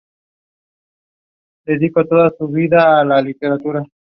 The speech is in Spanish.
Highways son carreteras de peaje.